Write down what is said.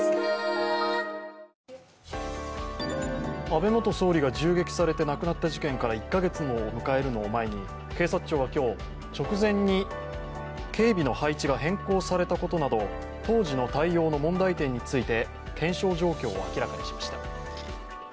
安倍元総理が銃撃されて亡くなった事件から１カ月を迎えるのも前に警察庁は今日、直前に警備の配置が変更されたことなど、当時の対応の問題点について検証状況を明らかにしました。